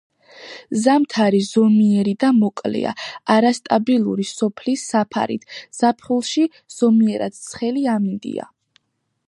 ზამთარი ზომიერი და მოკლეა, არასტაბილური თოვლის საფარით, ზაფხულში ზომიერად ცხელი ამინდია.